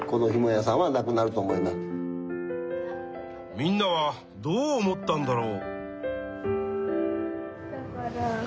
みんなはどう思ったんだろう？